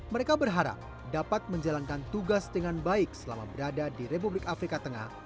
mereka berharap dapat menjalankan tugas dengan baik selama berada di republik afrika tengah